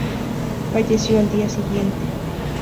Falleció al día siguiente.